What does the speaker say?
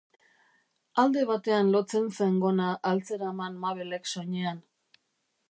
Alde batean lotzen zen gona al zeraman Mabelek soinean?